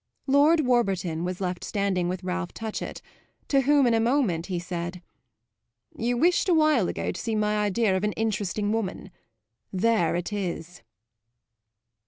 Lord Warburton was left standing with Ralph Touchett, to whom in a moment he said: "You wished a while ago to see my idea of an interesting woman. There it is!"